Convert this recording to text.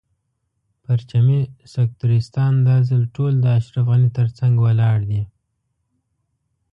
پرچمي سکتریستان دا ځل ټول د اشرف غني تر څنګ ولاړ دي.